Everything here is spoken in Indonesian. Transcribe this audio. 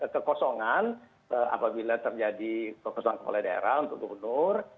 kekosongan apabila terjadi kekosongan kepala daerah untuk gubernur